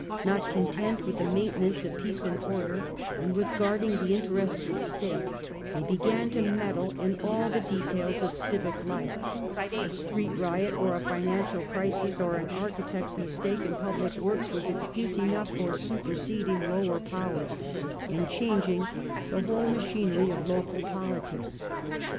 Not content with the maintenance of (2) the peace and order, and with guarding the in pvemors terests of state, they began to meddle in all nSfcUe^ the details of civic life, A street riot, or a financial crisis, or an architect's mistake in public works, was excuse enough for superseding lower powers, and changing the whole machinery of local politics.